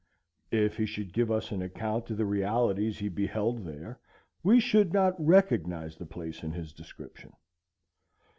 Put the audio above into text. If he should give us an account of the realities he beheld there, we should not recognize the place in his description.